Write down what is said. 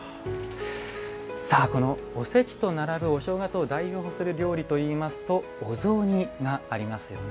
おせちと並ぶお正月を代表する料理といいますとお雑煮がありますよね。